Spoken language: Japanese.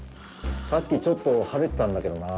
さっき、ちょっと晴れてたんだけどなあ。